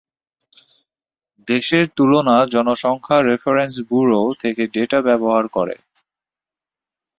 দেশের তুলনা জনসংখ্যা রেফারেন্স ব্যুরো থেকে ডেটা ব্যবহার করে।